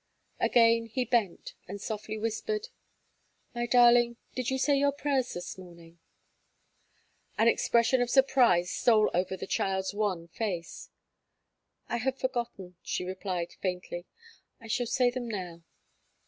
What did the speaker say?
Again he bent, and softly whispered: "My darling, did you say your prayers this morning?" An expression of surprise stole over the child's wan face. "I had forgotten," she replied, faintly, "I shall say them now."